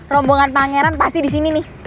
rombongan pangeran pasti di sini nih